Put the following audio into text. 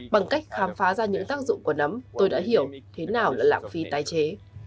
bằng cách khám phá ra những tác dụng của nấm tôi đã hiểu thế nào là lãng phí tái chế